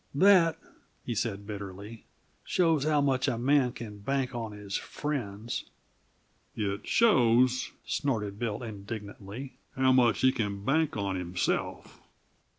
That," he said bitterly, "shows how much a man can bank on his friends!" "It shows," snorted Bill indignantly, "how much he can bank on himself!"